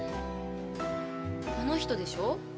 この人でしょう？